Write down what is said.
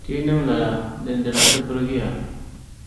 Ti yi niŋ lala dindina ti birigiya.